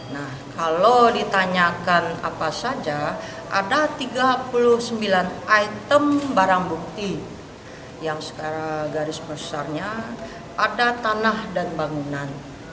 nah kalau ditanyakan apa saja ada tiga puluh sembilan item barang bukti yang sekarang garis besarnya ada tanah dan bangunan